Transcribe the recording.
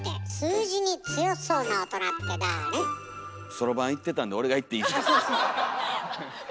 そろばん行ってたんで俺がいっていいですか。